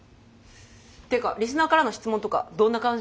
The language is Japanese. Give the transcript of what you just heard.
ってかリスナーからの質問とかどんな感じ？